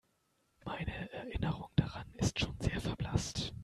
Meine Erinnerung daran ist schon sehr verblasst.